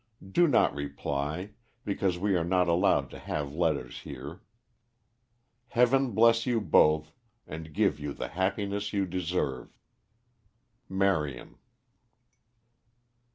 Do not reply, because we are not allowed to have letters here. "Heaven bless you both and give you the happiness you deserve! "MARION."